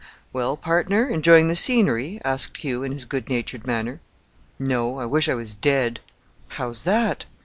"Well, partner, enjoying the scenery?" asked Hugh, in his good natured manner. "No I wish I was dead." "How's that?"